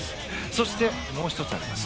そして、もう１つあります。